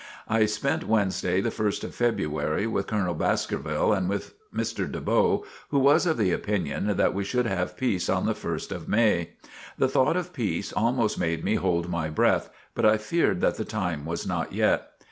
I spent Wednesday, the 1st of February, with Colonel Baskerville and with Mr. de Bow, who was of the opinion that we should have peace on the 1st of May. The thought of peace almost made me hold my breath, but I feared that the time was not yet.